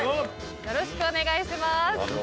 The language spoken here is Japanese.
よろしくお願いします。